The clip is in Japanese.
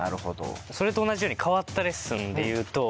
それと同じように変わったレッスンでいうと。